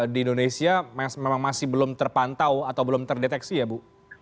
di indonesia memang masih belum terpantau atau belum terdeteksi ya bu